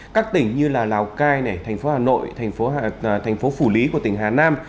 các tỉnh như lào cai thành phố hà nội thành phố phủ lý của tỉnh hà nam